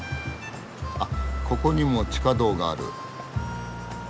あっここにも地下道がある。